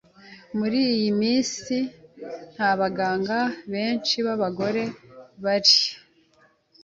Muri iyo minsi nta baganga benshi b'abagore bari.